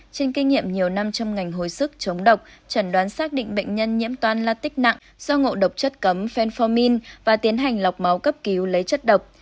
trên kinh nghiệm nhiều năm trong ngành hồi sức chống độc chẩn đoán xác định bệnh nhân nhiễm toan là tích nặng do ngộ độc chất cấm fenformin và tiến hành lọc máu cấp cứu lấy chất độc